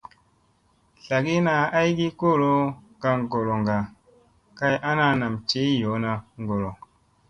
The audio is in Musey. Tlagina aygi kolo gaŋ goloŋga kay ana ,nam ciy yoona ŋgolo.